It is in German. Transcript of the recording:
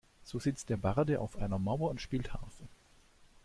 So sitzt der Barde auf einer Mauer und spielt Harfe.